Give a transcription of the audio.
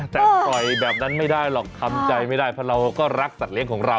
แต่ปล่อยแบบนั้นไม่ได้หรอกทำใจไม่ได้เพราะเราก็รักสัตว์ของเรา